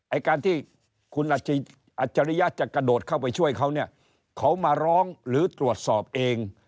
ไอ้การที่คุณอัจฉริยะจะกระโดดเข้าไปช่วยเขาเนี่ยเขามาร้องหรือตรวจสอบเอง